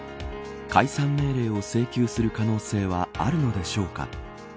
解散命令を請求する可能性はあるのでしょうか。